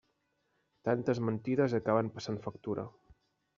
Tantes mentides acaben passant factura.